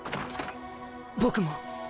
僕も。